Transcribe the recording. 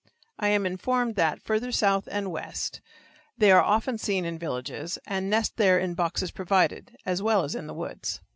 I am informed that farther south and west they are often seen in villages, and nest there in boxes provided, as well as in the woods.